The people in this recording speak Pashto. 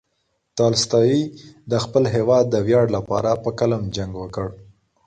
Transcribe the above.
تولستوی د خپل هېواد د ویاړ لپاره په قلم جنګ وکړ.